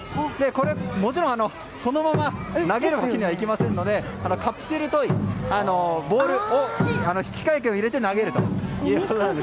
もちろん、そのまま投げるわけにはいきませんのでカプセルトイボールに引換券を入れて投げるということです。